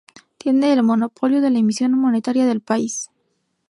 Tiene el monopolio de la emisión monetaria del país.